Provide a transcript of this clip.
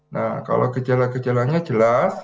nah kalau gejala gejalanya jelas